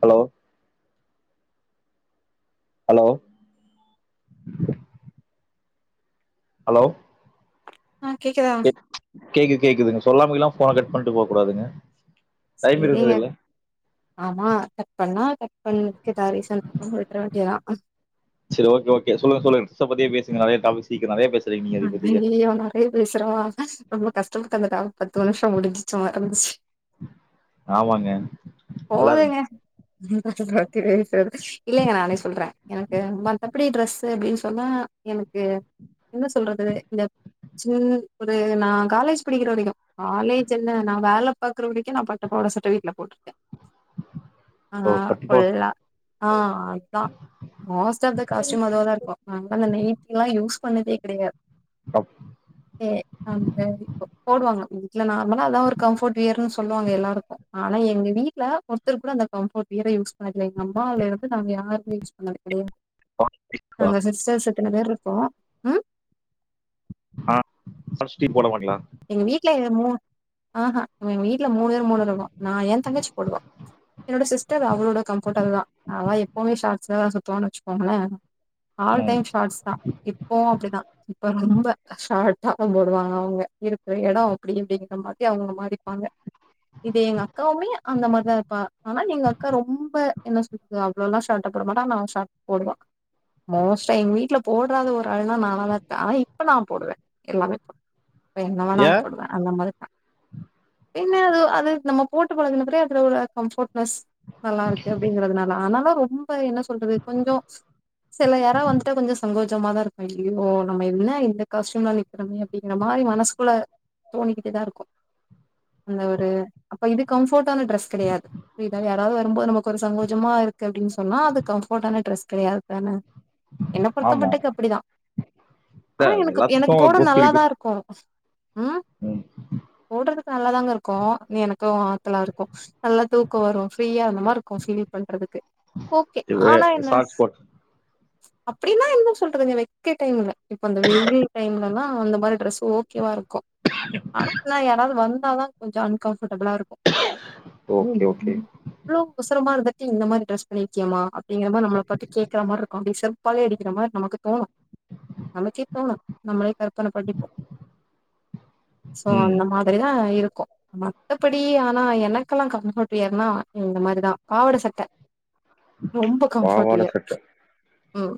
Hello hello hello ஆ கேக்குதா கேக்குது கேக்குதுங்க சொல்லாமங்குல்லா ஃபோன கட் பண்ட்டு போ கூடாதுங்க டைம் சேரிங்க இருந்தது இல்ல ஆமா கட் பண்ணா கட் பண்ணதுக்குதா ரீசன் [unintelligible] விட்ர வேண்டியதா அ சரி ஓகே ஒகே சொல்லுங்க சொல்லுங்க [unintelligible] பத்தியே பேசுங்க நறையா டாப்பிக்ஸ் சீகரோ நறையா பேசு ஆ அய்யயோ நறைய பேசுறவா ரொம்ப [unintelligible] பத்து நிமிஷம் முடிஞ்சிச்சோம் ம [unintelligible] ஆமாங்க நல்லா போதுங்க இருந்துச்சு [unintelligible] இல்லலைங்க நானே சொல்றே எனக்கு மத்தபடி ட்ரெஸு அப்புடின்னு சொன்னா எனக்கு என்ன சொல்றது இந்த சின் ஒரு நா காலேஜ் படிக்கிற வரைக்கு காலேஜ் என்ன நா வேல பாக்குற வரைக்கும் நா பாட்டப்போட சர்டிவீட்ல போட்ருக்கே ஆ ஓ பட்டிப்போ ஃபுல்லா ஆ அத்தா மோஸ்ட் ஆஃப் த காஸ்ட்யும் அதுவா தா இருக்கூ அங்கல்லா நைட்டீல்லா யூஸ் பண்ணதே கிடையாத் ஏ அந்த இப்ப போடுவாங்க ம் இல்ல நார்மலா அத்தா ஒரு கம்ஃபர்ட் வியர்ன்னு சொல்லுவாங்க எல்லாருக்கூ ஆனா எங்க வீ ட்ல ஒருத்தருக்கு கூட அந்த கம்ஃபர்ட் வீயர யூஸ் பண்ணதில்ல எங்க அம்மால இருந்து நாங்க யாருமே யூஸ் பண்ணது கிடையது நாங்க சிஸ்டர்ஸு இத்தன பேர்ருக்கோ ம் ஆ [unintelligible] போடுவாங்களா எங்க வீட்ல ஏ மூ ஆஹா எங் வீட்ல மூணு பேரும் மூணு ரகோ நா ஏன் தங்கச்சி போடுவா என்னோட சிஸ்டர் அவ்ளோட கம்ஃபர்ட் அதுதா அவா எப்போமே ஷார்ட்ஸ் ல தா சுத்துவான்னு வச்சுக்கோங்களே ஆல் ம் டைம் ஷார்ட்ஸ் தா இப்பவு அப்புடிதா இப்ப ரொம்ப அ ஷார்ட்டா இருக்கு எடோ அப்டிங்டிங்க மாதி அவங்க மாறிப்பாங்க இது எங்க அக்காவுமே அந்த மார்தா இருப்பா ஆனா எங் ப்ப என்ன வேணாலும் ஏன் போடுவா அந்த மாதிரி தா பின்ன அது அது நம்ம போட்டு பழகுனப்புறே அதுல ஒரு கம்ஃபர்ட் ப்ளஸ் ரொம்ப என்ன சொல்றது கொஞ்சோ போல தோணிக்கிட்டே தா இருக்கூ அந்த ஒரு அப்போ இது கம்ஃப் போர்ட்டான டிரெஸ் கெடையாது [unintelligible] யாராவது வரும்போது நமக்கு ஒரு சங்கோஜமா இருக்கு அப்டின் சொன்னா அது கம்ஃபர்ட்டான டிரெஸ் கெடையாத் தான என்ன பொருத்த ஆமா மட்டுக்கு அப்புடிதா இல்ல ஆனா அது எனக்கு எனக்கு போட எல்லாத்துக்கும் ஃபீல் நல்லாதா குட் இருக்கூ ம் போட்றதுக் நல்லாதாங்க இருக்கூ எனக்கூ ஆத்தலா இருக்கூ நல்லா தூக்கோ வரூ ஃப்ரீயா இந்த மார்ருக்கூ ஃபீல் பண்றதுக்கு ஓகே இவே சாக்ஸ் போட் அப்புடின்னா என்ன சொல்றதுங்க வெக்க டைம்முல இப்ப அந்த வெயில் டைம்லல்லா அந்த மாரி டிரெஸ் ஓ கேவா இருக் [unintelligible] அனுப்புனா யாராவது வந் நாதா கொஞ்ஜ அன் கம் டிரபுலா இருக்கும் ஓகே ஓகே ம் அவ்ளோ ஒசரமா இருந்தே இந்த மாரி டிரெஸ் பண்ணிருக்கியேமா அப்டிங்கற மாரி நம்ம பத்தி கேடக்குற மாரி இருக்கு அப்படியே செருப்பால அடிக்கிற மாரி நமக்கு தோணு நமக்கே தோணு நம்மளே [unintelligible] சோ ம் அந்த மாதிரிதா இருக் கு மத்தபடி ஆனா எனக்கெல்லா கம்ஃபர்ட் ஏன்னா இந்த மாரிதா பாவட சட்ட ரொம்ப கம்ஃபோர்ட் [unintelligible] ம்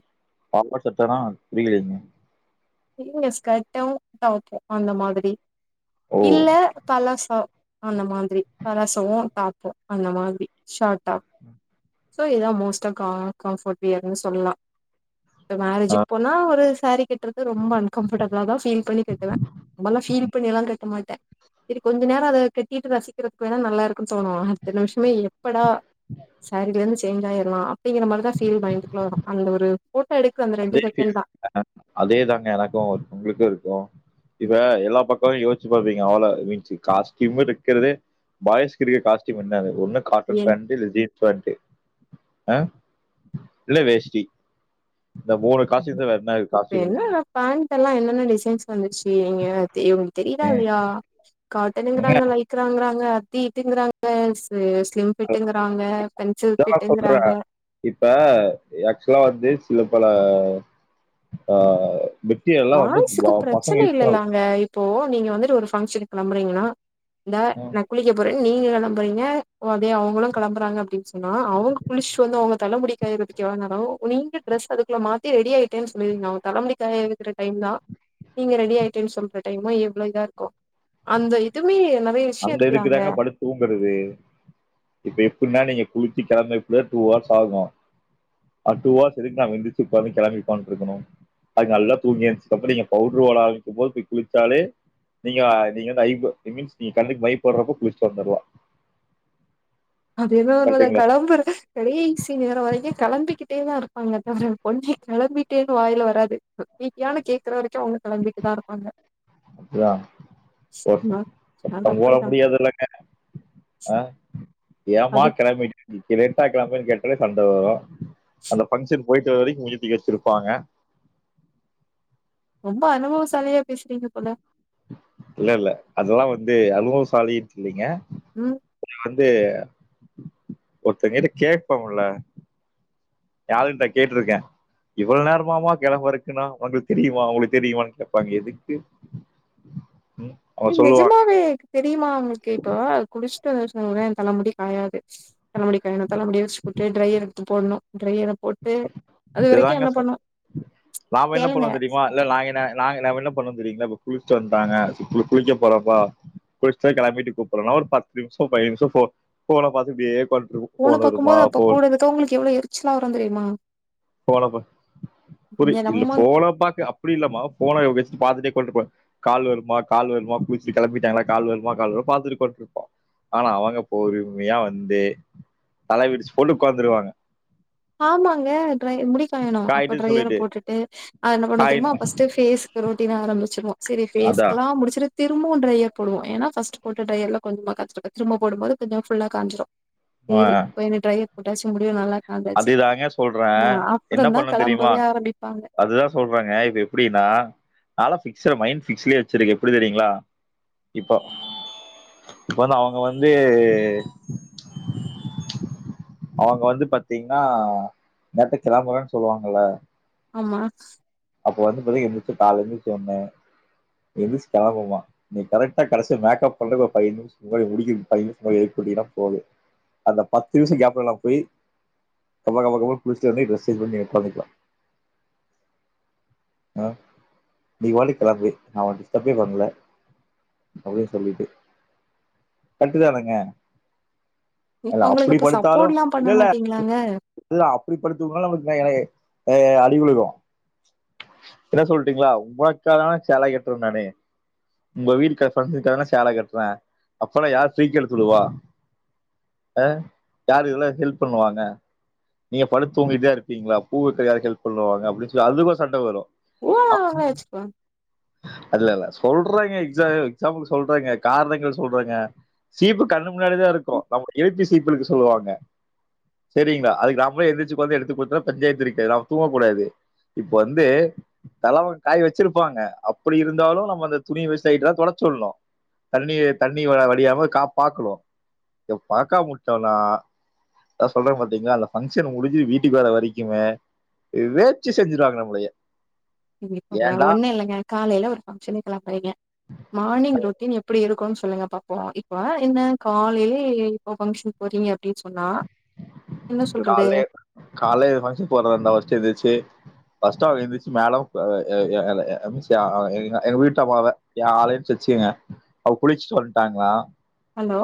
பாம்பு சட்டெனா ங்க ஸ்கர்ட்டு டாப்பு அந்த மாதுரி ஓ இல்ல பலோசா அந்த மாத்ரி பலாசோவு டாப்பு அந்த மாத்ரி ஷார்டா சோ இதா மோஸ்டா கா கம்ஃபோர்ட் வியர்ன்னு சொல்லா இப்ப மேரேஜுக் போனா ஒரு சேரி கட்றத் ரொம்ப அன்கஃபர்டபிளாதா ஃபீல் பண்ணி கட்டுவே கட்டுவ ரொம்பலா ஃபீல் பண்ணி எல்லா கட்ட மாட்ட செரி கொஞ்ச நேர அத கட்டிட்டு ரசிக்கிறதுக்கு வேணா நல்லா இருக்குன்னு தோணு அடுத்த நிமிஷமே எப்படா சேரில இருந்து சேஞ்ச் ஆயிரலா அப்டிங்கிற மாரிதா ஃபீல் மைண்டுக்குள்ள வரு அந்த ஒரு எடுக்குற அந்த ரெண்டு அதே செகண்ட் ஃபீல் தா தான அதேதா எனக்கு ஒரு உங்ளுக்கு இருக்கு இவ எல்லா பக் போ யோஸ்ச்சி பாப்பீங்க அவ்ளோ காஸ்ட்யூமு இருக்குற்தே பாய்ஸ்கு இருக்கிற காஸ்ட்யூம் என்னது ஒன்னு காட்டன் என் பேண்ட் இல்ல ஜீன் பட்டு அ இல்ல வேஷ்டி இந்த மூணு காஸ்ட்யூம் வேற என்ன இப்ப காஸ்ட்யூம் இருக்கு என்ன பேண்டெல்லா என்னென்ன டிசைன்ஸ் வந்துச்சு நீங்க தெரியுதா இல்லயா ஏங்க காட்டணுங்குறாங்க லைக்ராங்குறாங்க அ அது இதுங்குறாங்க செ அதா நா சொல்ற இப்ப ஆக்சுலா வந்து சில பல ஆ மெட்டீரியல்லா வந்து ப பாய்சுக்கு பசங்க ப்ரச்சனை யூஸ் இல்ல பண்ண லாங்க இப்போ நீங்க வந்துட்டு ஒரு ஃபங்ஷன் கெளம்புறீங்கனா இந்த ம் நா குளிக்க போற நீங்க கிளம்புறீங்க அதே அவங்களு கிளம்புறாங்க அப்புடின்னு சொன்னா அவங்க குளிச்சு வந்து அவங்க தலமுடி காய்றதுக்கு எவ்ளோ நேர ஆகும் நீங்க டிரெஸ் அதுக்குள்ள மாத்தி ரெடி ஆயிட்டேன்னு சொல்லுவீங்க அவங்க தலமுடி காய்ய வைக் ர டைம் தா நீங்க ரெடி ஆயிட்டேன்னு சொல்ற டைம்மு எவ்ளோ இதா இருக்கு அந்த இதுவுமே அந்த இதுக்கு தாங்க படுத்து தூங்குறது இப்ப எப்புடின்னா நீங்க குளிச்சு கிளம்ப இப்படியு டூ ஹவர்ஸ் ஆகும் டூ ஹவர்ஸ் எதுக்கு னா எந்துச்சு இப்பவே கிளம்பி உட்காந்து இருக்கணு அதுக்கு நல்லா தூங்கி எந்துச்சு அப்படிங் நீங்க பவுடரு போட ஆரம்மிக்கு போது போய் குளிச்சாலே நீங்க நீங்க மீன்ஸ் நீ கண்ணுக்கு மை போடுறப்போ குளிச்சுட்டு வந்துருலா அது ஏதோ உண்ம த கிளம்புற கடைசி நேர வரைக்கு கிளம்பிக்கி ட்டே தா இருப்பாங்க தவிர உடனே கிளம்பிட்டே வாயில வராது கிம்ளம்பீட்டியானு கேக்குற வரைக்கு அவங்க கிளம்பிட்டுதா இருப்பாங்க அப்படியா ஓகே அ அது அப்பரம் போக அப்டிதா முடியாது இல்லங்க ஆ ஏமா அது கிளம்பிட்டு நிக்கிற லேட்டா கிளம் பனு கேட்டலே சண்ட வரு அந்த பங்ஷன் போயிட்டு வர வரைக் மூஞ்சியே தூக்கி வச்சிருப்பாங்க ரொம்ப அனுபவசாலியா பேசுறீங்க போல இல்ல இல்ல அதெல்லா வந்து அனுபவ சாலினு இல்லைங்க ம் அது வந்து ஒருத்தங்கிட்ட கேப்பமுல ஏ ஆள்கிட்ட கேட்டிருக்கே இவ்வளவு நேரமமா கிழம்பருக்கன்னு உங்களுக்கு தெரியுமா உங்களுக்கு தெரியுமனு கேட்பாங்க எதுக்கு அவங்க ஏ நெஜமா சொல்லுவாங்க வே தெரியுமா உங்களுக்கு இப்ப குளிச்சு டு [unintelligible] தல முடி காயாது தலமுடிக்காயனு தலமுடிய விரிச்சு போட்டு ட்ரைய்யர் எடுத்து போடணு ட்ரையர போட்டு அது வரைக்கு இதுதாங்க என்ன சத் பண்ணு நாம என்ன கேளுங்க பண்னுவேனு தெரியுமா இல்ல நா ந என்ன பண்ணுவ தெரியுங்களா குளிச்சுட்டு வந்துட்டாங்க குளிக்க போறப்பா குளிச்சுட்டு கிளம்பிட்டு கூப்பிடனு ஒரு பத்து நிமிஷ பதினைந்து நிமிஷ போன பாத்துட்டே போன பாக்கு போது அப்போ கூட இருக்குறவங்களுக்கு எவ்ளோ எரிச்சலா வரு தெரியுமா போன பாத் இங்க புரிய இல்ல நம்ம போன பாக்க அப்படி இல்லாமா போன இப்படி பாத்துட்டே கொண்டுருப்போ கால் வருமா கால் வருமா குளிசிட்டு கிளம்பிட்டாங்களா கால் வருமா கால் வருமா பாத்துட்டு உட்காந்து இருப்போ ஆனா அவங்க பொறுமையா வந்து தலவிரிச்சு போட்டு உட்காந்துருவாங்க ஆமாங்க ட்ரை முடி காயனு அப்ப காயின்னு ட்ரையர சொல்லிட்டு போட்டுட்டு நா என்ன பண்ணுவ காயின் தெரியுமா ஃபஸ்ட்டு பேஸ்க்கு ரொட்டீன் ஆரம்பிச்சிருவோ செரி அதா ஃபேஸ்குலா முடிச்சிட்டு திரு ம்பவு ட்ரையர் போடுவோ ஏன்னா ஃபஸ்ட்டு போட்ட ட்ரையர்ல கொஞ்சமா காஞ்சிர்க்கு திரும்ப போடும்போது கொஞ்சொ ஃபுல்லா காஞ்சிரு சேரி இப்ப என்ன ட்ரை புரட்டாச்சி முடிவு நால அப்டிதாங்க சொல்றே என்ன பண்ணு தெரியுமா கெளம்பவே ஆரம்பிப்பாங்க அதுதா சொல்றேங்க இப்ப எப்டினா நால பிக்ஸடு மைட் பிக்ஸ்லயே வச்சிருக்கே எப்டி தெரியுங்கலா இப்ப இப்ப வந்து அவுங்க வந்து அவுங்க வந்து பாத்து பாத்தீங்ன்னா மர்த்து கிளாபழோன்னு சொல்லுவாங்கல்ல ஆமா அப்ப வந்தும்போதே எந்திரிச்சி காலேலந்து சொன்ன எந்திருச்சு கெளம்புமா நீ கரெக்டா கடைசியா மேக்கப் பண்றதுக் ஒரு ஃபைவ் மினிட்ஸ் முன்னாடி முடிக்குறதுக் ஃபை மினிட்ஸ் முன்னாடி எழுப்பிட்டீனா போதோ அந்த பத்து நிமிஷோ கேப்ல நா போயி கபகபகபன்னு குளிச்சுட் வந்து ட்ரெஸ் சேஞ்ச் பண்ணி ஒக்காந்துக்லா ஆ நீ பாட்டுக்கு கெளம்பு நா உன்ன டிஸ்டர்பே பண்ல அப்டினு சொல்லிட்டு கர்ட்டுதானுங்க இல்ல அவங்களுக்கு அப்டி அப்ப படுத்தாலு சப்போர்ட்லா பண்ண இல்லல்ல மாட்டீங்களாங்க இல்ல அப்டி படுத்து தூங்னாலோ நம்ளுக்கு எனக்கே அ அடி விழுகு பின்ன சொல்ட்டீங்ளா உங்கக்கா தா சேலை கட்டு நானு உங்க வீதி கிராஸ்னாதுக்கான சேல கட்றே அப்பெல்லா யார் சீக்கெழுத்துடுவா அ யாரு இதெல்லா ஹெல்ப் பண்ணுவாங்க நீங்க படு தூங்கிட்டே இருப்பீங்ளா பூ வெக்க யாரு ஹெல்ப் பண்ணுவாங்க அப்டின் ல அதுக்கு ஒரு சண்ட வரு ஓவரா அ அவங்களே வச்சுக்குவாங்க அதுல இல்ல சொல்றாங்க எக்ஸா எக்ஸாம்புல்க்கு சொல்றாங்க காரணங்கள் சொல்றங்க சீப்பு கண்ணு முன்னாடிதா இருக்கு ம். நம்ம ஏ பி சீப்புல்க்கு சொல்லுவாங்க செரிங்ளா அதுக்கு நாம போய் எந்திரச்சி கொழந்த எடுத்து குடுத்தா பஞ்சாயத்து இருக்காது நாம தூங்க கூடாது இப்போ வந்து தலவங் காய் வச்சிருப்பாங்க அப்டி இருந்தாலு நம்ம அந்த துணி வெ சைட் தா தொலச்சுட்னு தண்ணி தண்ணி வ வடியாம கா பாக்கணு இத பாக்கமுட்டோனா அதா சொல்றே பாத்தீங்ளா அந்த ஃபங்ஷன் முடிஞ்சி வீட்டுக்கு வர வரைக்குமே இது வேச்சி செஞ்சிருவாங்க நம்மளையே ஒன்னு இல்லைங்க காலையில ஒரு ஃபங்க்ஷனுக்கெல்லா போறிங்க மார்னிங் ரொட்டின் எப்டி இருக் கோன் சொல்லுங்க பாப்போ இப்ப என்ன காலைலே இப்போ ஃபங்க்ஷன் போறீங்க அப்டின் சொன்னா என்ன சொல்றது கால்லே கால்லே ஃபங்ஷன் போறதாந்தா ஃபஸ்ட் எந்திர்ச்சி பஸ்ட்டு அவுரு மேல [unintelligible] எங்க விட்டு அம்மால என் ஆளையு சிரிச்சிங்க அவ குளிச்சுட்டு வந்துட்டாங்களா ஹலோ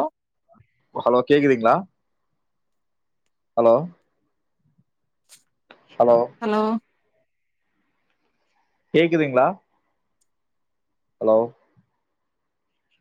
கேக்குதுங்களா ஹலோ ஹலோ கேக்குதுங்களா ஹலோ